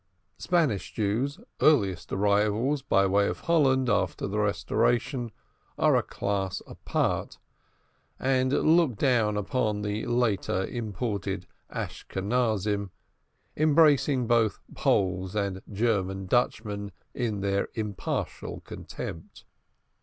Spanish Jews, earliest arrivals by way of Holland, after the Restoration, are a class apart, and look down on the later imported Ashkenazim, embracing both Poles and Dutchmen in their impartial contempt.